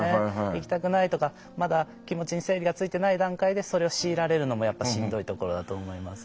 行きたくないとか、まだ気持ちに整理がついてない段階でそれを強いられるのもやっぱしんどいところだと思います。